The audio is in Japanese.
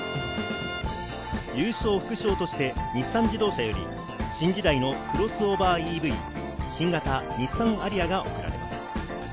優勝副賞として日産自動車より、新時代のクロスオーバーＥＶ、新型日産ＡＲＩＹＡが贈られます。